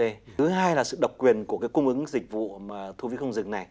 thứ hai là sự độc quyền của cái cung ứng dịch vụ thu phí không dừng này